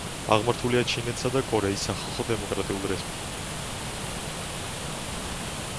აღმართულია ჩინეთსა და კორეის სახალხო დემოკრატიულ რესპუბლიკას შორის.